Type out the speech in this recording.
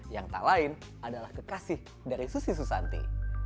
yang tak lain adalah kekasih dari susi susanti